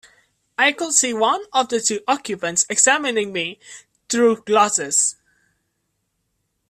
I could see one of the two occupants examining me through glasses.